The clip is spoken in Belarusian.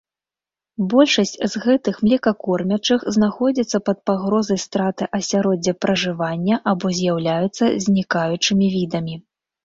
Большасць з гэтых млекакормячых знаходзяцца пад пагрозай страты асяроддзя пражывання або з'яўляюцца знікаючымі відамі.